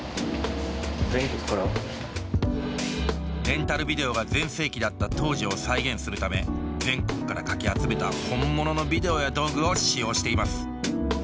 レンタルビデオが全盛期だった当時を再現するため全国からかき集めた本物のビデオや道具を使用しています。